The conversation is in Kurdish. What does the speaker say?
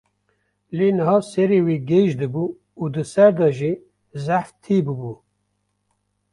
Lê niha serê wî gêj dibû û di ser de jî zehf tî bûbû.